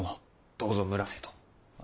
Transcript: どうぞ村瀬と。